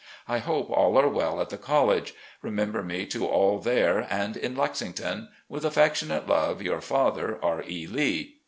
I hope all are well at the college. Remember me to all there and in' Lexington. "With affectionate love. Your father, "R. E. Lee.